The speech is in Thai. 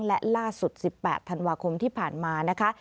และล่าสุด๑๘ธันวาคมที่ผ่านมานะคะ